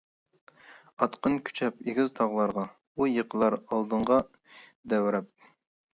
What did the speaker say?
ئاتقىن كۈچەپ ئېگىز تاغلارغا، ئۇ يېقىلار ئالدىڭغا دەۋرەپ.